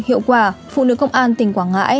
hiệu quả phụ nữ công an tỉnh quảng ngãi